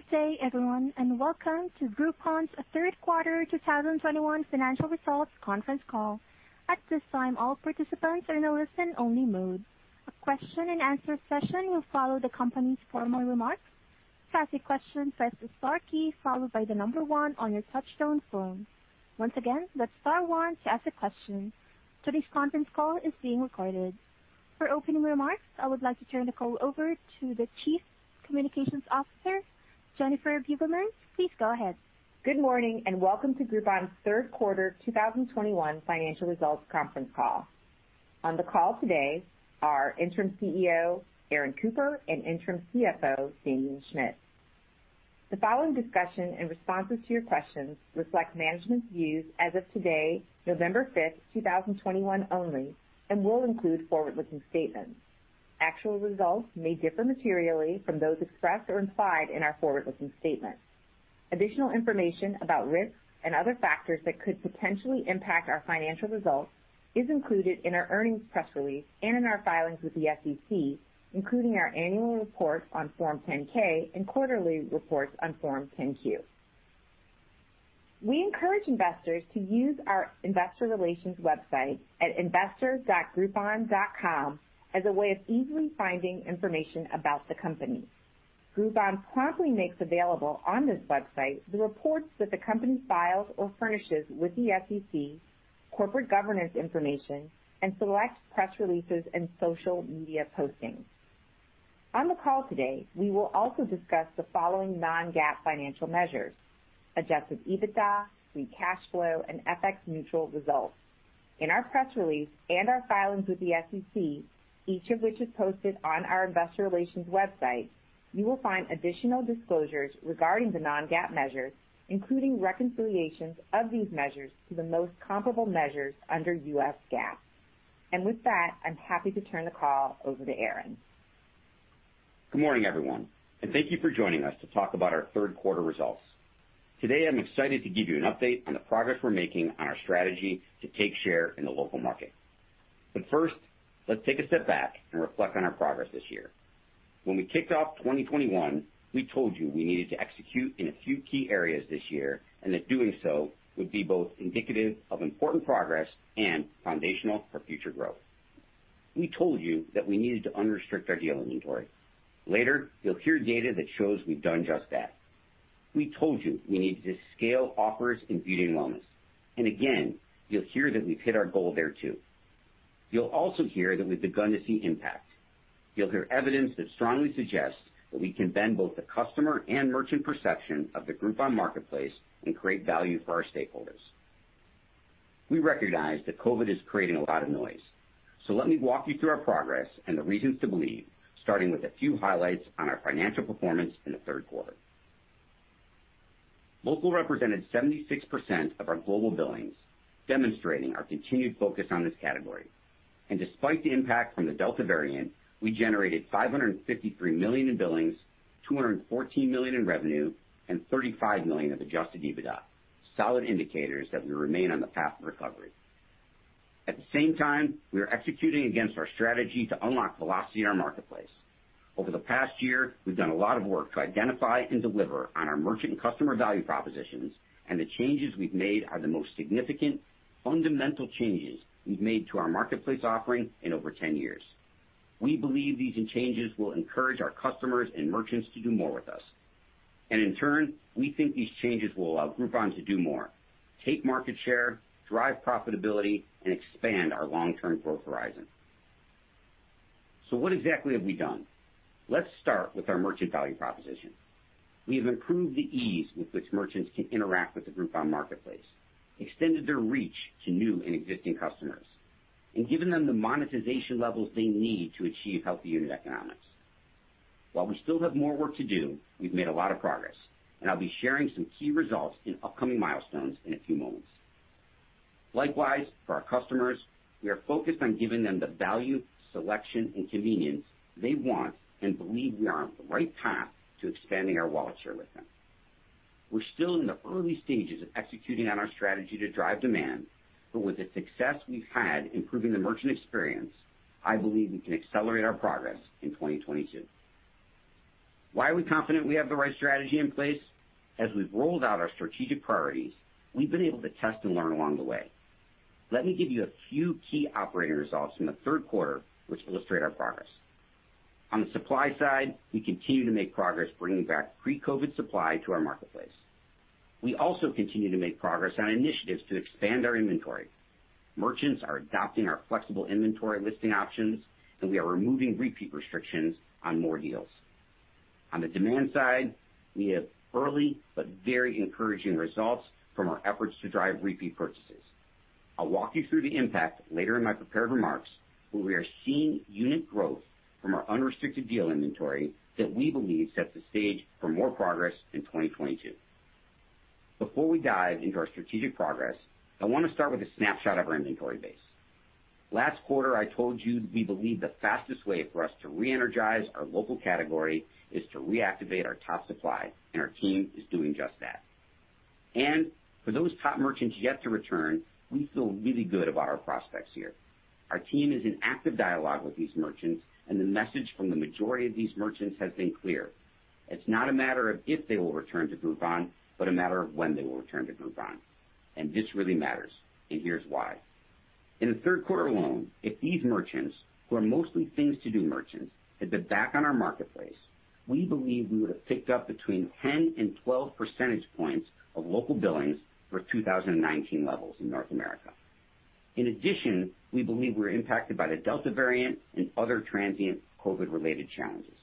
Good day, everyone, and welcome to Groupon's third quarter 2021 financial results conference call. At this time, all participants are in a listen-only mode. A question-and-answer session will follow the company's formal remarks. To ask a question, press the star key followed by the number one on your touchtone phone. Once again, that's star one to ask a question. Today's conference call is being recorded. For opening remarks, I would like to turn the call over to the Chief Communications Officer, Jennifer Beugelmans. Please go ahead. Good morning, and welcome to Groupon's third quarter 2021 financial results conference call. On the call today are Interim CEO Aaron Cooper and Interim CFO Damien Schmitz. The following discussion and responses to your questions reflect management's views as of today, November 5th, 2021 only, and will include forward-looking statements. Actual results may differ materially from those expressed or implied in our forward-looking statement. Additional information about risks and other factors that could potentially impact our financial results is included in our earnings press release and in our filings with the SEC, including our annual report on Form 10-K and quarterly reports on Form 10-Q. We encourage investors to use our investor relations website at investor.groupon.com as a way of easily finding information about the company. Groupon promptly makes available on this website the reports that the company files or furnishes with the SEC, corporate governance information, and select press releases and social media postings. On the call today, we will also discuss the following non-GAAP financial measures, adjusted EBITDA, free cash flow, and FX neutral results. In our press release and our filings with the SEC, each of which is posted on our investor relations website, you will find additional disclosures regarding the non-GAAP measures, including reconciliations of these measures to the most comparable measures under U.S. GAAP. With that, I'm happy to turn the call over to Aaron. Good morning, everyone, and thank you for joining us to talk about our third quarter results. Today, I'm excited to give you an update on the progress we're making on our strategy to take share in the local market. First, let's take a step back and reflect on our progress this year. When we kicked off 2021, we told you we needed to execute in a few key areas this year, and that doing so would be both indicative of important progress and foundational for future growth. We told you that we needed to unrestrict our deal inventory. Later, you'll hear data that shows we've done just that. We told you we needed to scale offers in beauty and wellness. Again, you'll hear that we've hit our goal there too. You'll also hear that we've begun to see impact. You'll hear evidence that strongly suggests that we can bend both the customer and merchant perception of the Groupon marketplace and create value for our stakeholders. We recognize that COVID is creating a lot of noise, so let me walk you through our progress and the reasons to believe, starting with a few highlights on our financial performance in the third quarter. Local represented 76% of our global billings, demonstrating our continued focus on this category. Despite the impact from the Delta variant, we generated $553 million in billings, $214 million in revenue, and $35 million of adjusted EBITDA, solid indicators that we remain on the path to recovery. At the same time, we are executing against our strategy to unlock velocity in our marketplace. Over the past year, we've done a lot of work to identify and deliver on our merchant and customer value propositions, and the changes we've made are the most significant fundamental changes we've made to our marketplace offering in over 10 years. We believe these changes will encourage our customers and merchants to do more with us. In turn, we think these changes will allow Groupon to do more, take market share, drive profitability, and expand our long-term growth horizon. What exactly have we done? Let's start with our merchant value proposition. We have improved the ease with which merchants can interact with the Groupon marketplace, extended their reach to new and existing customers, and given them the monetization levels they need to achieve healthy unit economics. While we still have more work to do, we've made a lot of progress, and I'll be sharing some key results in upcoming milestones in a few moments. Likewise, for our customers, we are focused on giving them the value, selection, and convenience they want and believe we are on the right path to expanding our wallet share with them. We're still in the early stages of executing on our strategy to drive demand, but with the success we've had improving the merchant experience, I believe we can accelerate our progress in 2022. Why are we confident we have the right strategy in place? As we've rolled out our strategic priorities, we've been able to test and learn along the way. Let me give you a few key operating results from the third quarter which illustrate our progress. On the supply side, we continue to make progress bringing back pre-COVID supply to our marketplace. We also continue to make progress on initiatives to expand our inventory. Merchants are adopting our flexible inventory listing options, and we are removing repeat restrictions on more deals. On the demand side, we have early but very encouraging results from our efforts to drive repeat purchases. I'll walk you through the impact later in my prepared remarks, where we are seeing unit growth from our unrestricted deal inventory that we believe sets the stage for more progress in 2022. Before we dive into our strategic progress, I wanna start with a snapshot of our inventory base. Last quarter, I told you we believe the fastest way for us to reenergize our local category is to reactivate our top supply, and our team is doing just that. For those top merchants yet to return, we feel really good about our prospects here. Our team is in active dialogue with these merchants, and the message from the majority of these merchants has been clear. It's not a matter of if they will return to Groupon, but a matter of when they will return to Groupon. This really matters, and here's why. In the third quarter alone, if these merchants, who are mostly things to do merchants, had been back on our marketplace, we believe we would have picked up between 10 and 12 percentage points of local billings for 2019 levels in North America. In addition, we believe we're impacted by the Delta variant and other transient COVID-19-related challenges.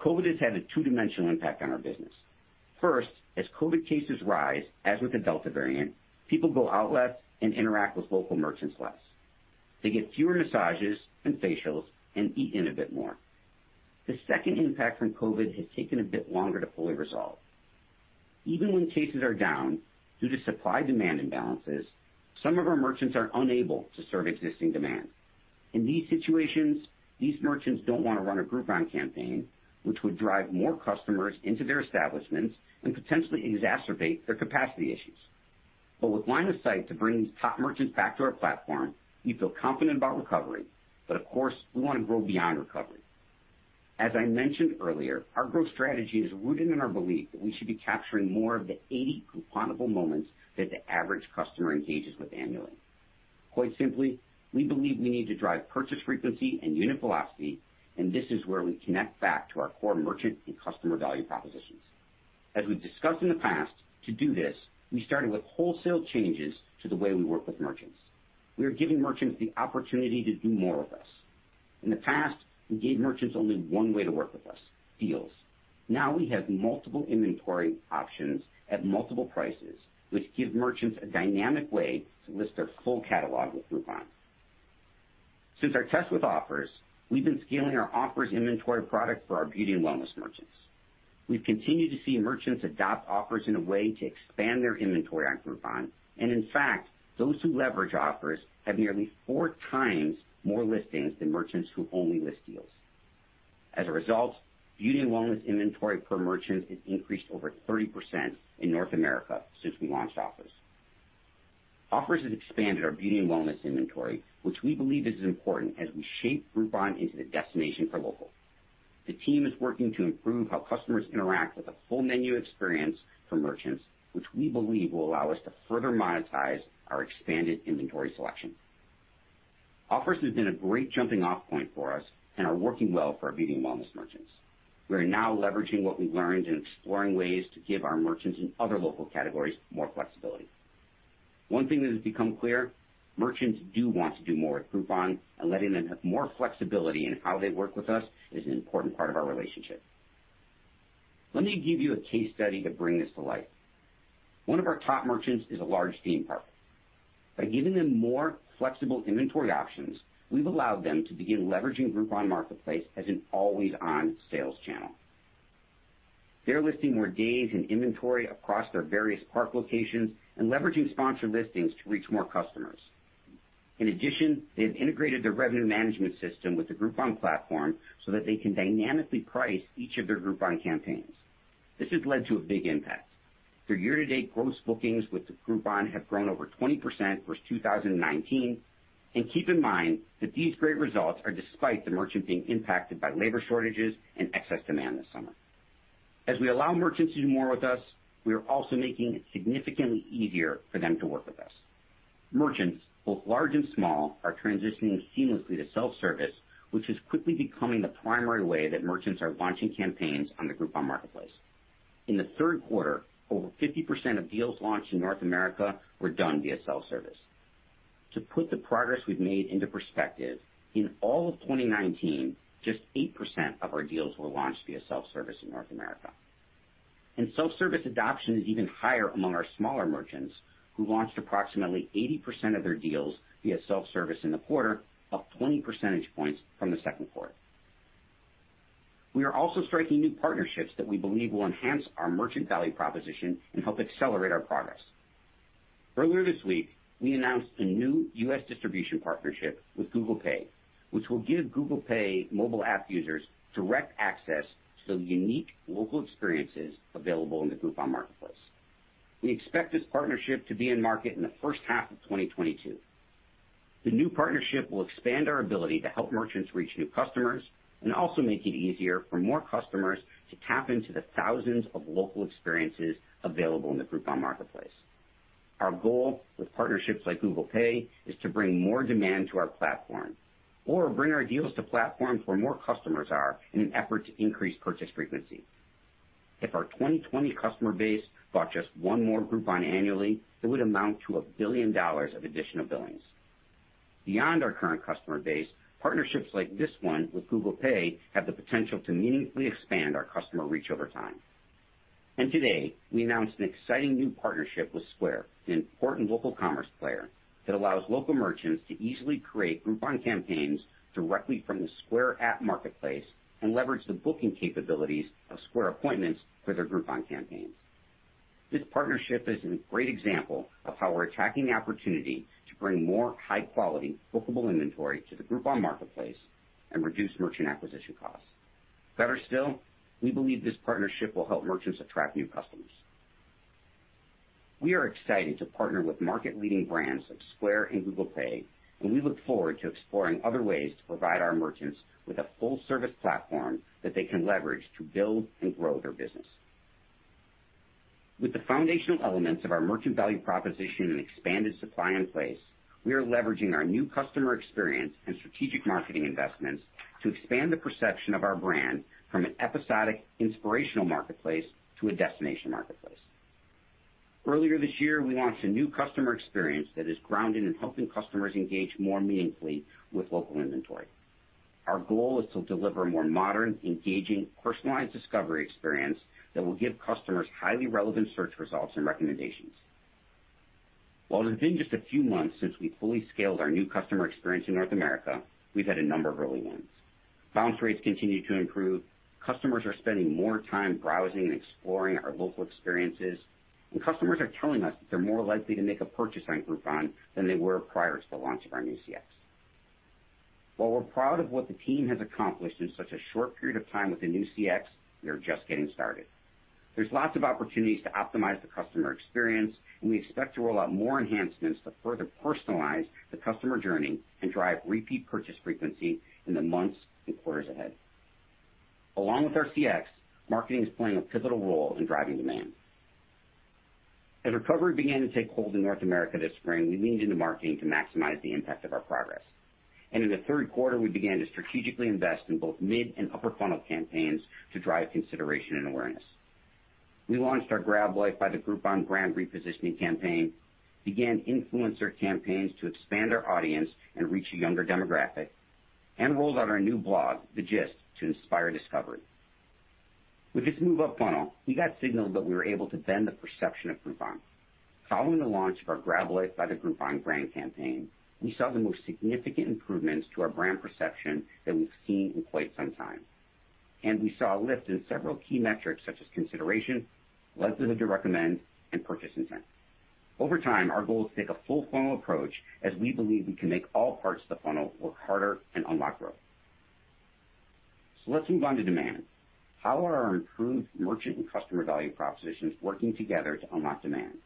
COVID-19 has had a two-dimensional impact on our business. First, as COVID-19 cases rise, as with the Delta variant, people go out less and interact with local merchants less. They get fewer massages and facials and eat in a bit more. The second impact from COVID-19 has taken a bit longer to fully resolve. Even when cases are down due to supply-demand imbalances, some of our merchants are unable to serve existing demand. In these situations, these merchants don't want to run a Groupon campaign which would drive more customers into their establishments and potentially exacerbate their capacity issues. With line of sight to bring these top merchants back to our platform, we feel confident about recovery, but of course, we want to grow beyond recovery. As I mentioned earlier, our growth strategy is rooted in our belief that we should be capturing more of the 80 Grouponable moments that the average customer engages with annually. Quite simply, we believe we need to drive purchase frequency and unit velocity, and this is where we connect back to our core merchant and customer value propositions. As we've discussed in the past, to do this, we started with wholesale changes to the way we work with merchants. We are giving merchants the opportunity to do more with us. In the past, we gave merchants only one way to work with us, deals. Now we have multiple inventory options at multiple prices, which give merchants a dynamic way to list their full catalog with Groupon. Since our test with Offers, we've been scaling our Offers inventory product for our beauty and wellness merchants. We've continued to see merchants adopt Offers in a way to expand their inventory on Groupon. In fact, those who leverage Offers have nearly four times more listings than merchants who only list deals. As a result, beauty and wellness inventory per merchant has increased over 30% in North America since we launched Offers. Offers has expanded our beauty and wellness inventory, which we believe is as important as we shape Groupon into the destination for local. The team is working to improve how customers interact with a full menu experience for merchants, which we believe will allow us to further monetize our expanded inventory selection. Offers has been a great jumping-off point for us and are working well for our beauty and wellness merchants. We are now leveraging what we've learned and exploring ways to give our merchants in other local categories more flexibility. One thing that has become clear, merchants do want to do more with Groupon, and letting them have more flexibility in how they work with us is an important part of our relationship. Let me give you a case study to bring this to life. One of our top merchants is a large theme park. By giving them more flexible inventory options, we've allowed them to begin leveraging Groupon marketplace as an always-on sales channel. They're listing more days and inventory across their various park locations and leveraging sponsored listings to reach more customers. In addition, they've integrated their revenue management system with the Groupon platform so that they can dynamically price each of their Groupon campaigns. This has led to a big impact. Their year-to-date gross bookings with Groupon have grown over 20% versus 2019. Keep in mind that these great results are despite the merchant being impacted by labor shortages and excess demand this summer. As we allow merchants to do more with us, we are also making it significantly easier for them to work with us. Merchants, both large and small, are transitioning seamlessly to self-service, which is quickly becoming the primary way that merchants are launching campaigns on the Groupon marketplace. In the third quarter, over 50% of deals launched in North America were done via self-service. To put the progress we've made into perspective, in all of 2019, just 8% of our deals were launched via self-service in North America. Self-service adoption is even higher among our smaller merchants, who launched approximately 80% of their deals via self-service in the quarter, up 20 percentage points from the second quarter. We are also striking new partnerships that we believe will enhance our merchant value proposition and help accelerate our progress. Earlier this week, we announced a new U.S. distribution partnership with Google Pay, which will give Google Pay mobile app users direct access to the unique local experiences available in the Groupon marketplace. We expect this partnership to be in market in the first half of 2022. The new partnership will expand our ability to help merchants reach new customers and also make it easier for more customers to tap into the thousands of local experiences available in the Groupon marketplace. Our goal with partnerships like Google Pay is to bring more demand to our platform or bring our deals to platforms where more customers are in an effort to increase purchase frequency. If our 2020 customer base bought just one more Groupon annually, it would amount to $1 billion of additional billings. Beyond our current customer base, partnerships like this one with Google Pay have the potential to meaningfully expand our customer reach over time. Today, we announced an exciting new partnership with Square, an important local commerce player that allows local merchants to easily create Groupon campaigns directly from the Square app marketplace and leverage the booking capabilities of Square Appointments for their Groupon campaigns. This partnership is a great example of how we're attacking the opportunity to bring more high-quality bookable inventory to the Groupon marketplace and reduce merchant acquisition costs. Better still, we believe this partnership will help merchants attract new customers. We are excited to partner with market-leading brands like Square and Google Pay, and we look forward to exploring other ways to provide our merchants with a full-service platform that they can leverage to build and grow their business. With the foundational elements of our merchant value proposition and expanded supply in place, we are leveraging our new customer experience and strategic marketing investments to expand the perception of our brand from an episodic, inspirational marketplace to a destination marketplace. Earlier this year, we launched a new customer experience that is grounded in helping customers engage more meaningfully with local inventory. Our goal is to deliver a more modern, engaging, personalized discovery experience that will give customers highly relevant search results and recommendations. While it has been just a few months since we fully scaled our new customer experience in North America, we've had a number of early wins. Bounce rates continue to improve. Customers are spending more time browsing and exploring our local experiences, and customers are telling us that they're more likely to make a purchase on Groupon than they were prior to the launch of our new CX. While we're proud of what the team has accomplished in such a short period of time with the new CX, we are just getting started. There's lots of opportunities to optimize the customer experience, and we expect to roll out more enhancements to further personalize the customer journey and drive repeat purchase frequency in the months and quarters ahead. Along with our CX, marketing is playing a pivotal role in driving demand. As recovery began to take hold in North America this spring, we leaned into marketing to maximize the impact of our progress. In the third quarter, we began to strategically invest in both mid and upper funnel campaigns to drive consideration and awareness. We launched our Grab Life by the Groupon brand repositioning campaign, began influencer campaigns to expand our audience and reach a younger demographic, and rolled out our new blog, The Gist, to inspire discovery. With this move up funnel, we got signals that we were able to bend the perception of Groupon. Following the launch of our Grab Life by the Groupon brand campaign, we saw the most significant improvements to our brand perception than we've seen in quite some time. We saw a lift in several key metrics such as consideration, likelihood to recommend, and purchase intent. Over time, our goal is to take a full funnel approach as we believe we can make all parts of the funnel work harder and unlock growth. Let's move on to demand. How are our improved merchant and customer value propositions working together to unlock demand?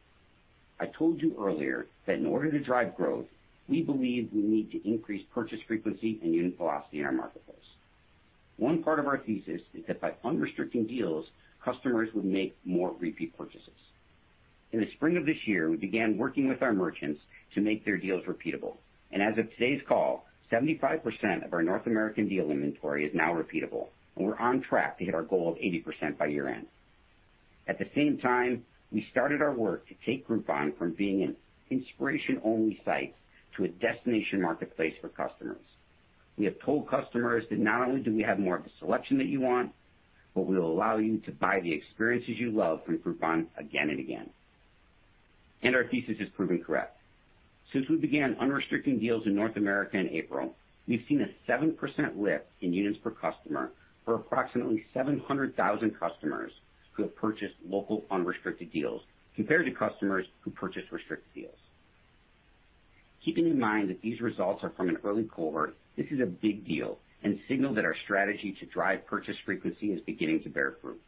I told you earlier that in order to drive growth, we believe we need to increase purchase frequency and unit velocity in our marketplace. One part of our thesis is that by unrestricted deals, customers would make more repeat purchases. In the spring of this year, we began working with our merchants to make their deals repeatable, and as of today's call, 75% of our North American deal inventory is now repeatable, and we're on track to hit our goal of 80% by year-end. At the same time, we started our work to take Groupon from being an inspiration-only site to a destination marketplace for customers. We have told customers that not only do we have more of the selection that you want, but we will allow you to buy the experiences you love from Groupon again and again. Our thesis has proven correct. Since we began unrestricted deals in North America in April, we've seen a 7% lift in units per customer for approximately 700,000 customers who have purchased local unrestricted deals compared to customers who purchased restricted deals. Keeping in mind that these results are from an early cohort, this is a big deal and signal that our strategy to drive purchase frequency is beginning to bear fruit.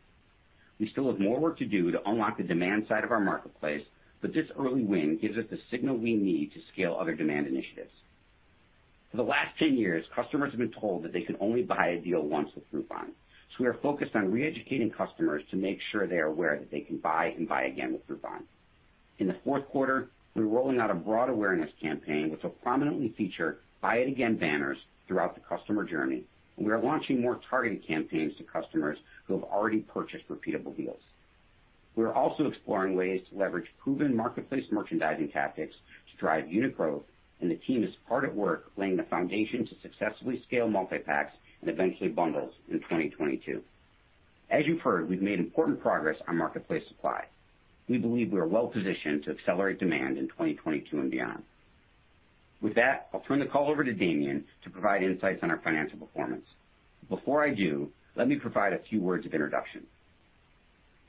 We still have more work to do to unlock the demand side of our marketplace, but this early win gives us the signal we need to scale other demand initiatives. For the last 10 years, customers have been told that they could only buy a deal once with Groupon, so we are focused on re-educating customers to make sure they are aware that they can buy and buy again with Groupon. In the fourth quarter, we're rolling out a broad awareness campaign, which will prominently feature Buy It Again banners throughout the customer journey. We are launching more targeted campaigns to customers who have already purchased repeatable deals. We are also exploring ways to leverage proven marketplace merchandising tactics to drive unit growth, and the team is hard at work laying the foundation to successfully scale multi-packs and eventually bundles in 2022. As you've heard, we've made important progress on marketplace supply. We believe we are well positioned to accelerate demand in 2022 and beyond. With that, I'll turn the call over to Damien to provide insights on our financial performance. Before I do, let me provide a few words of introduction.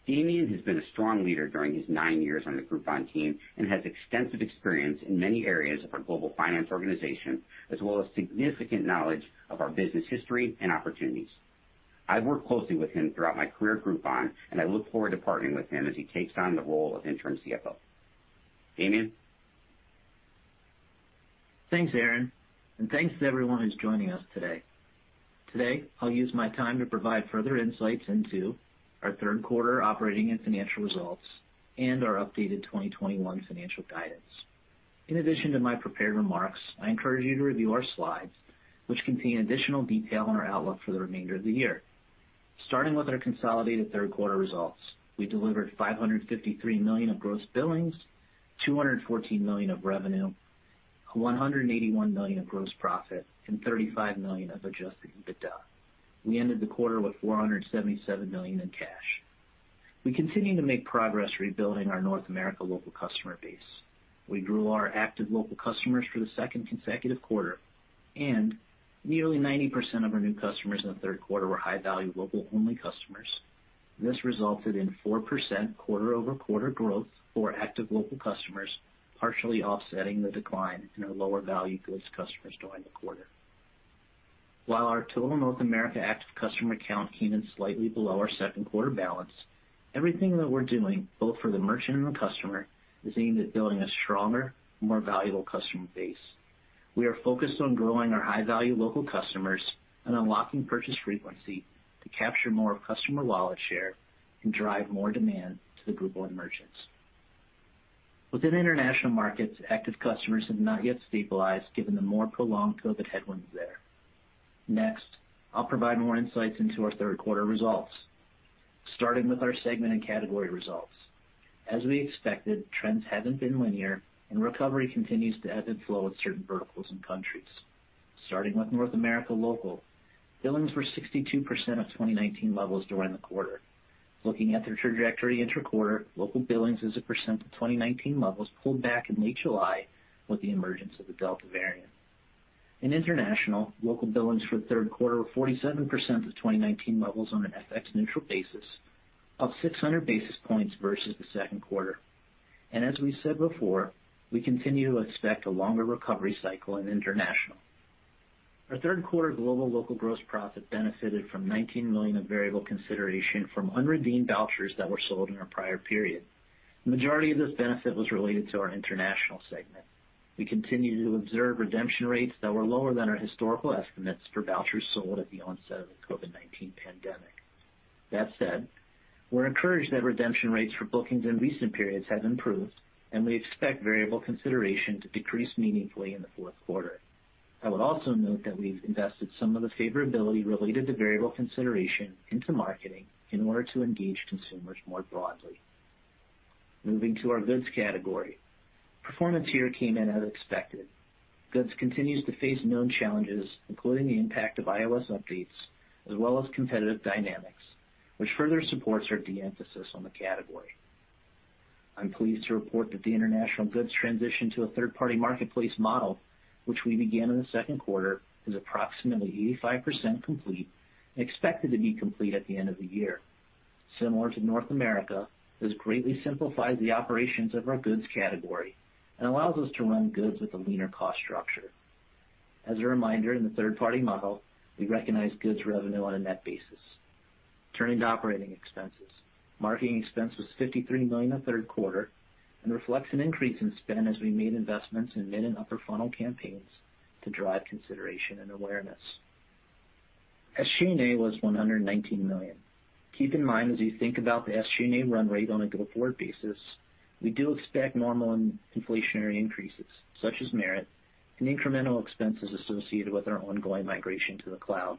Damien has been a strong leader during his nine years on the Groupon team and has extensive experience in many areas of our global finance organization, as well as significant knowledge of our business history and opportunities. I've worked closely with him throughout my career at Groupon, and I look forward to partnering with him as he takes on the role of Interim CFO. Damien? Thanks, Aaron, and thanks to everyone who's joining us today. Today, I'll use my time to provide further insights into our third quarter operating and financial results and our updated 2021 financial guidance. In addition to my prepared remarks, I encourage you to review our slides, which contain additional detail on our outlook for the remainder of the year. Starting with our consolidated third quarter results, we delivered $553 million of gross billings, $214 million of revenue, $181 million of gross profit, and $35 million of adjusted EBITDA. We ended the quarter with $477 million in cash. We continue to make progress rebuilding our North America local customer base. We grew our active local customers for the second consecutive quarter, and nearly 90% of our new customers in the third quarter were high-value local-only customers. This resulted in 4% quarter-over-quarter growth for active local customers, partially offsetting the decline in our lower value goods customers during the quarter. While our total North America active customer count came in slightly below our second quarter balance, everything that we're doing, both for the merchant and the customer, is aimed at building a stronger, more valuable customer base. We are focused on growing our high-value local customers and unlocking purchase frequency to capture more of customer wallet share and drive more demand to the Groupon merchants. Within international markets, active customers have not yet stabilized given the more prolonged COVID-19 headwinds there. Next, I'll provide more insights into our third quarter results, starting with our segment and category results. As we expected, trends haven't been linear and recovery continues to ebb and flow with certain verticals and countries. Starting with North America local, billings were 62% of 2019 levels during the quarter. Looking at their trajectory interquarter, local billings as a percent of 2019 levels pulled back in late July with the emergence of the Delta variant. In international, local billings for the third quarter were 47% of 2019 levels on an FX neutral basis, up 600 basis points versus the second quarter. As we said before, we continue to expect a longer recovery cycle in international. Our third quarter global local gross profit benefited from $19 million of variable consideration from unredeemed vouchers that were sold in our prior period. The majority of this benefit was related to our international segment. We continue to observe redemption rates that were lower than our historical estimates for vouchers sold at the onset of the COVID-19 pandemic. That said, we're encouraged that redemption rates for bookings in recent periods have improved, and we expect variable consideration to decrease meaningfully in the fourth quarter. I would also note that we've invested some of the favorability related to variable consideration into marketing in order to engage consumers more broadly. Moving to our goods category. Performance here came in as expected. Goods continues to face known challenges, including the impact of iOS updates as well as competitive dynamics, which further supports our de-emphasis on the category. I'm pleased to report that the international goods transition to a third-party marketplace model, which we began in the second quarter, is approximately 85% complete and expected to be complete at the end of the year. Similar to North America, this greatly simplifies the operations of our goods category and allows us to run goods with a leaner cost structure. As a reminder, in the third party model, we recognize goods revenue on a net basis. Turning to operating expenses. Marketing expense was $53 million in the third quarter and reflects an increase in spend as we made investments in mid and upper funnel campaigns to drive consideration and awareness. SG&A was $119 million. Keep in mind, as you think about the SG&A run rate on a go-forward basis, we do expect normal and inflationary increases such as merit and incremental expenses associated with our ongoing migration to the cloud.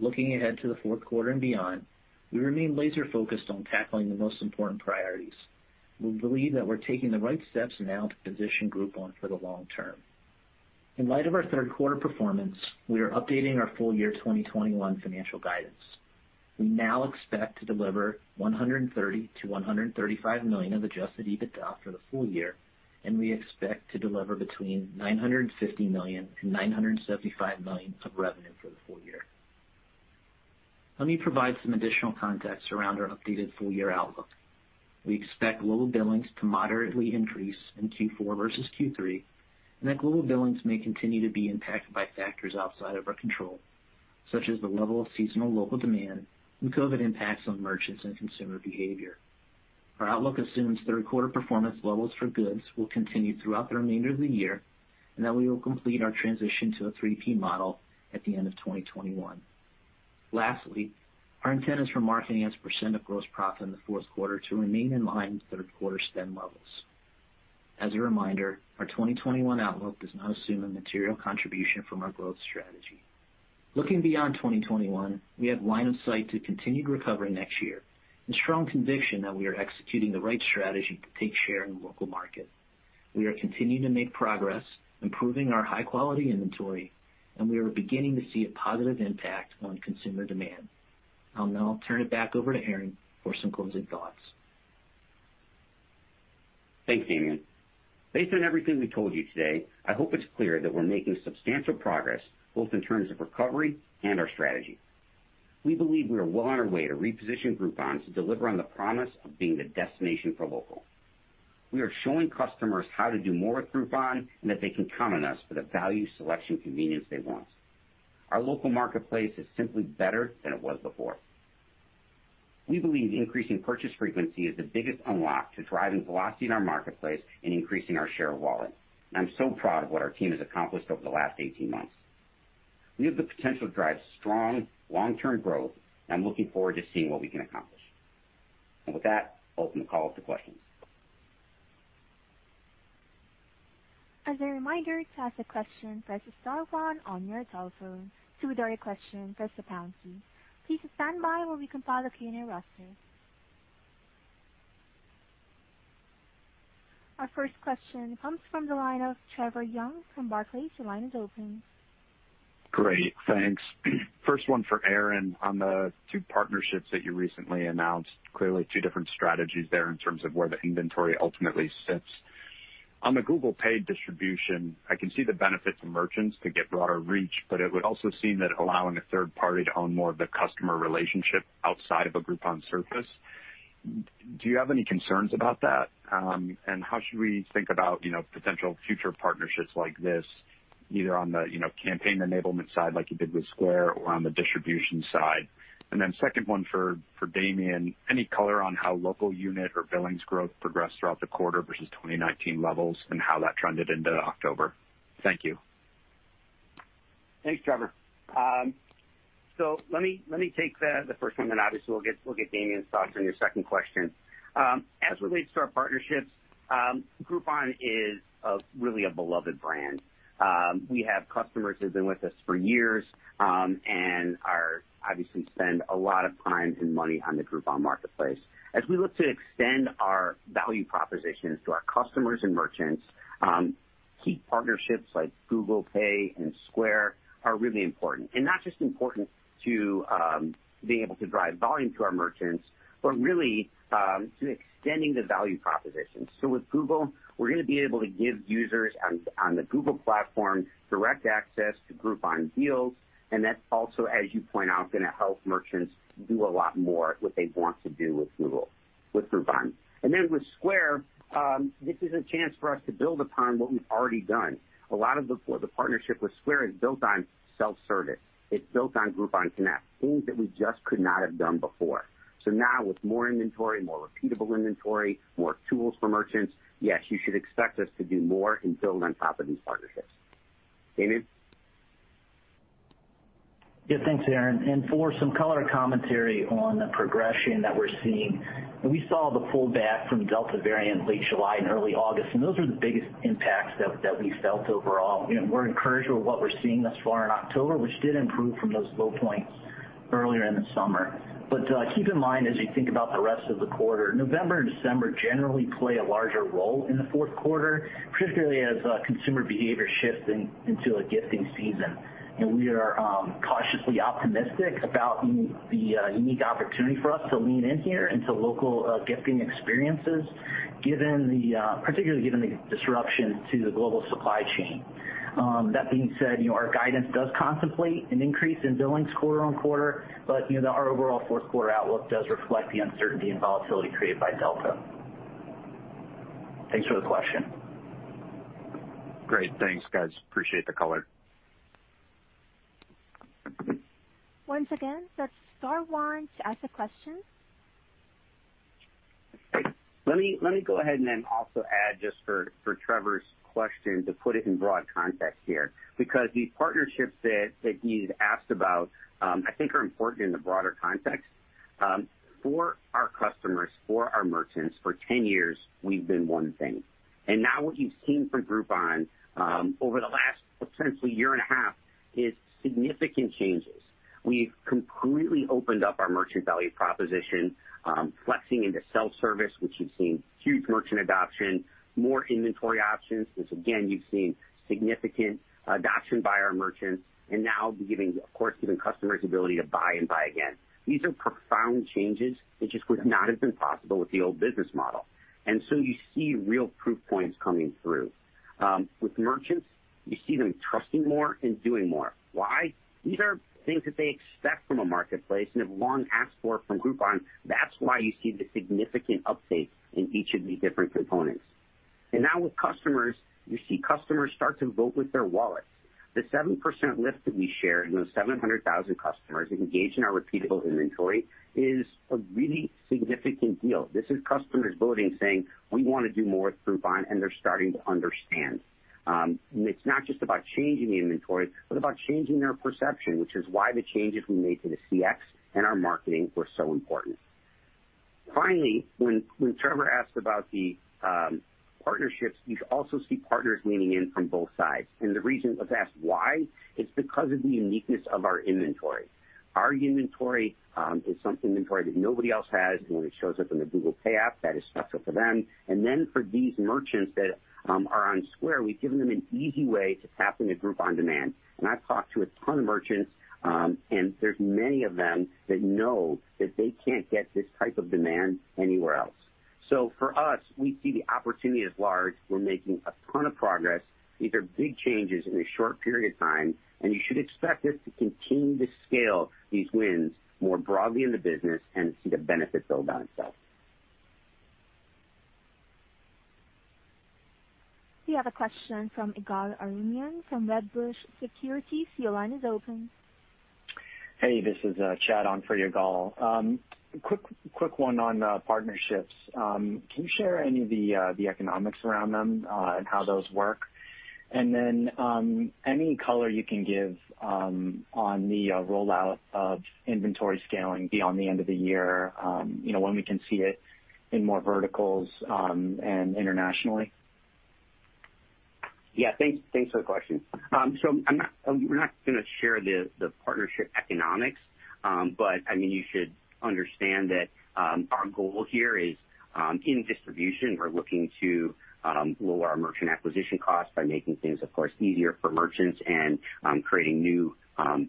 Looking ahead to the fourth quarter and beyond, we remain laser focused on tackling the most important priorities. We believe that we're taking the right steps now to position Groupon for the long term. In light of our third quarter performance, we are updating our full year 2021 financial guidance. We now expect to deliver $130-$135 million of adjusted EBITDA for the full year, and we expect to deliver between $950-$975 million of revenue for the full year. Let me provide some additional context around our updated full year outlook. We expect global billings to moderately increase in Q4 versus Q3, and that global billings may continue to be impacted by factors outside of our control, such as the level of seasonal local demand and COVID impacts on merchants and consumer behavior. Our outlook assumes third quarter performance levels for goods will continue throughout the remainder of the year and that we will complete our transition to a 3P model at the end of 2021. Lastly, our intent is for marketing as a % of gross profit in the fourth quarter to remain in line with third quarter spend levels. As a reminder, our 2021 outlook does not assume a material contribution from our growth strategy. Looking beyond 2021, we have line of sight to continued recovery next year and strong conviction that we are executing the right strategy to take share in the local market. We are continuing to make progress, improving our high-quality inventory, and we are beginning to see a positive impact on consumer demand. I'll now turn it back over to Aaron for some closing thoughts. Thanks, Damien. Based on everything we told you today, I hope it's clear that we're making substantial progress, both in terms of recovery and our strategy. We believe we are well on our way to reposition Groupon to deliver on the promise of being the destination for local. We are showing customers how to do more with Groupon and that they can count on us for the value, selection, convenience they want. Our local marketplace is simply better than it was before. We believe increasing purchase frequency is the biggest unlock to driving velocity in our marketplace and increasing our share of wallet, and I'm so proud of what our team has accomplished over the last 18 months. We have the potential to drive strong long-term growth, and I'm looking forward to seeing what we can accomplish. With that, I'll open the call up to questions. As a reminder, to ask a question, press the star one on your telephone. To withdraw your question, press the pound key. Please stand by while we compile the Q&A roster. Our first question comes from the line of Trevor Young from Barclays. Your line is open. Great. Thanks. First one for Aaron. On the two partnerships that you recently announced, clearly two different strategies there in terms of where the inventory ultimately sits. On the Google Pay distribution, I can see the benefit to merchants to get broader reach, but it would also seem that allowing a third party to own more of the customer relationship outside of a Groupon surface. Do you have any concerns about that? How should we think about, you know, potential future partnerships like this, either on the, you know, campaign enablement side, like you did with Square or on the distribution side? Then second one for Damian. Any color on how local unit or billings growth progressed throughout the quarter versus 2019 levels and how that trended into October? Thank you. Thanks, Trevor. Let me take the first one, then obviously we'll get Damien's thoughts on your second question. As it relates to our partnerships, Groupon is really a beloved brand. We have customers who've been with us for years, and obviously spend a lot of time and money on the Groupon marketplace. As we look to extend our value propositions to our customers and merchants, key partnerships like Google Pay and Square are really important. Not just important to being able to drive volume to our merchants, but really to extending the value proposition. With Google, we're gonna be able to give users on the Google platform direct access to Groupon deals, and that's also, as you point out, gonna help merchants do a lot more what they want to do with Google, with Groupon. With Square, this is a chance for us to build upon what we've already done. A lot of the partnership with Square is built on self-service. It's built on Groupon Connect, things that we just could not have done before. Now with more inventory, more repeatable inventory, more tools for merchants, yes, you should expect us to do more and build on top of these partnerships. Damien? Yeah. Thanks, Aaron. For some color commentary on the progression that we're seeing, we saw the pullback from Delta variant late July and early August, and those were the biggest impacts that we felt overall. You know, we're encouraged with what we're seeing thus far in October, which did improve from those low points earlier in the summer. Keep in mind, as you think about the rest of the quarter, November and December generally play a larger role in the fourth quarter, particularly as consumer behavior shifts into the gifting season. We are cautiously optimistic about the unique opportunity for us to lean in here into local gifting experiences, particularly given the disruption to the global supply chain. That being said, you know, our guidance does contemplate an increase in billings quarter-over-quarter, but, you know, our overall fourth quarter outlook does reflect the uncertainty and volatility created by Delta. Thanks for the question. Great. Thanks, guys. Appreciate the color. Once again, that's star one to ask a question. Let me go ahead and then also add just for Trevor's question, to put it in broad context here, because these partnerships that he's asked about, I think are important in the broader context. For our customers, for our merchants, for 10 years, we've been one thing. Now what you've seen from Groupon over the last essentially year and a half is significant changes. We've completely opened up our merchant value proposition, flexing into self-service, which you've seen huge merchant adoption, more inventory options, which again, you've seen significant adoption by our merchants and now, of course, giving customers ability to buy and buy again. These are profound changes which just would not have been possible with the old business model. You see real proof points coming through. With merchants, you see them trusting more and doing more. Why? These are things that they expect from a marketplace and have long asked for from Groupon. That's why you see the significant uptake in each of these different components. Now with customers, you see customers start to vote with their wallets. The 7% lift that we shared and those 700,000 customers engaged in our repeatable inventory is a really significant deal. This is customers voting, saying, "We wanna do more with Groupon," and they're starting to understand. It's not just about changing the inventory, but about changing their perception, which is why the changes we made to the CX and our marketing were so important. Finally, when Trevor asked about the partnerships, you also see partners leaning in from both sides. The reason, if asked why, it's because of the uniqueness of our inventory. Our inventory is inventory that nobody else has, and when it shows up in the Google Pay app, that is special for them. For these merchants that are on Square, we've given them an easy way to tap into Groupon demand. I've talked to a ton of merchants, and there's many of them that know that they can't get this type of demand anywhere else. For us, we see the opportunity as large. We're making a ton of progress. These are big changes in a short period of time, and you should expect us to continue to scale these wins more broadly in the business and see the benefits build on itself. We have a question from Ygal Arounian from Wedbush Securities. Your line is open. Hey, this is Chad on for Ygal. Quick one on partnerships. Can you share any of the economics around them, and how those work? Any color you can give on the rollout of inventory scaling beyond the end of the year, you know, when we can see it in more verticals, and internationally? Yeah. Thanks for the question. We're not gonna share the partnership economics. But I mean, you should understand that our goal here is in distribution, we're looking to lower our merchant acquisition costs by making things, of course, easier for merchants and creating new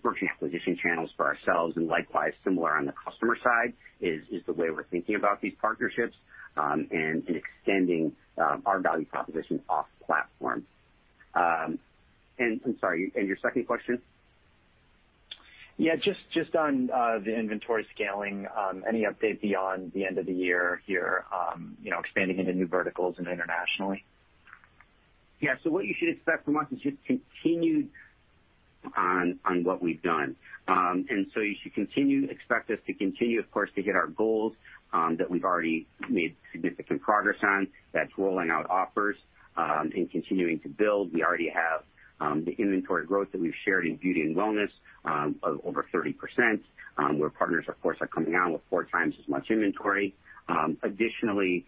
merchant acquisition channels for ourselves and likewise similar on the customer side is the way we're thinking about these partnerships and extending our value proposition off platform. I'm sorry, and your second question? Yeah, just on the inventory scaling, any update beyond the end of the year here, you know, expanding into new verticals and internationally? Yeah. What you should expect from us is just continued on what we've done. You should continue to expect us to continue, of course, to hit our goals that we've already made significant progress on. That's rolling out Offers, and continuing to build. We already have the inventory growth that we've shared in beauty and wellness of over 30%, where partners, of course, are coming out with four times as much inventory. Additionally,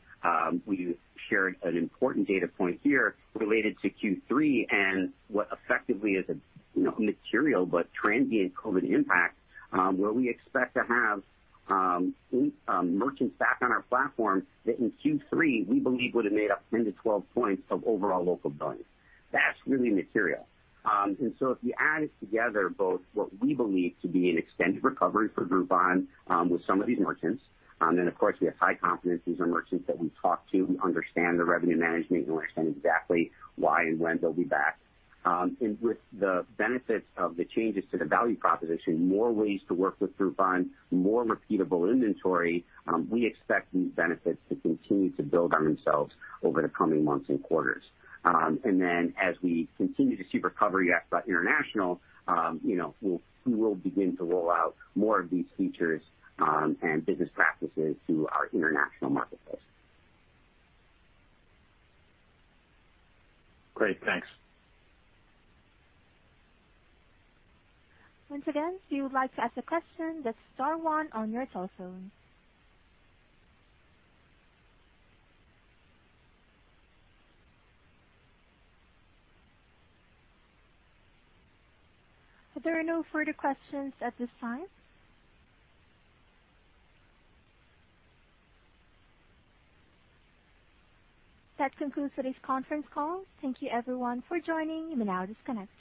we shared an important data point here related to Q3 and what effectively is a, you know, material but transient COVID impact, where we expect to have merchants back on our platform that in Q3 we believe would have made up 10-12 points of overall local billion. That's really material. If you add together both what we believe to be an extended recovery for Groupon, with some of these merchants, and of course, we have high confidence these are merchants that we talk to, we understand their revenue management, and we understand exactly why and when they'll be back. With the benefits of the changes to the value proposition, more ways to work with Groupon, more repeatable inventory, we expect these benefits to continue to build on themselves over the coming months and quarters. As we continue to see recovery at the international, you know, we will begin to roll out more of these features, and business practices to our international marketplace. Great. Thanks. Once again, if you would like to ask a question, that's star one on your telephone. If there are no further questions at this time. That concludes today's conference call. Thank you everyone for joining. You may now disconnect.